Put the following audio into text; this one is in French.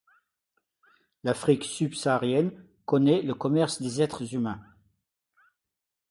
L'Afrique subsaharienne connaît le commerce des êtres humains.